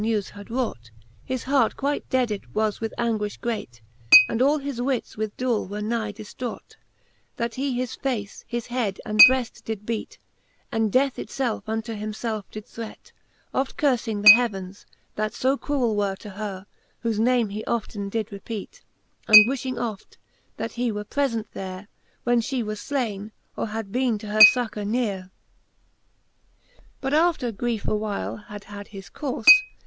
newes had raught, His hart quite deaded was with anguifli great, And all his wits with doole were nigh diftraught, That he his face, his head, his breft did beat, And death it felfe unto himfelfe did threat ; Oft curfing th' heavens, that fo cruell were To her, whofe name he often did repeat ; And wifhing oft, that he were prefent there. When fhe was flaine, or had bene to her fuccour nere. XXXIV. But after griefe awhile had had his courfe.